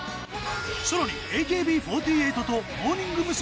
さらにＡＫＢ４８とモーニング娘。